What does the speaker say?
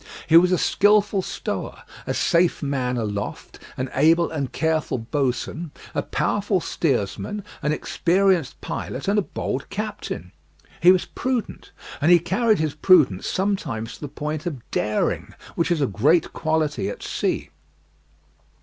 He was a skilful stower, a safe man aloft, an able and careful boatswain, a powerful steersman, an experienced pilot, and a bold captain. He was prudent, and he carried his prudence sometimes to the point of daring, which is a great quality at sea.